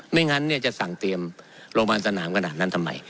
ไม่งั้นจะสั่งเตรียมโรงพยาบาลสนามขนาดนั้นทำไม